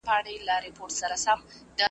بد بوټي ته سپي هم بولي نه کوي